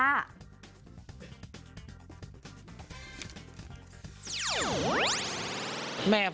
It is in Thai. แล้วเจ้ากับพี่แม่ไม่เอาหน่าเพราะก็แบตผิดแม่นะครับ